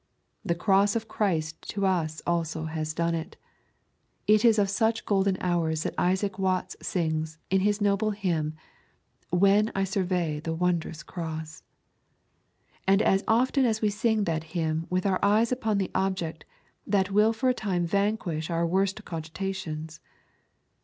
The Cross of Christ to us also has done it. It is of such golden hours that Isaac Watts sings in his noble hymn: 'When I survey the wondrous Cross;' and as often as we sing that hymn with our eyes upon the object, that will for a time vanquish our worst cogitations.